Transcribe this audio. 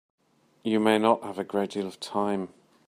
You may not have a great deal of time.